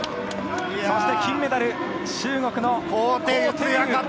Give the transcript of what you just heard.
そして金メダル、中国の高亭宇。